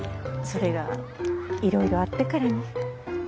それがいろいろあってからに。